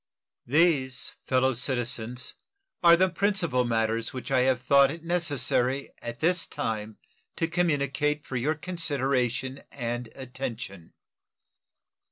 These, fellow citizens, are the principal matters which I have thought it necessary at this time to communicate for your consideration and attention.